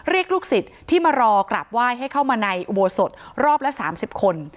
ลูกศิษย์ที่มารอกราบไหว้ให้เข้ามาในอุโบสถรอบละ๓๐คน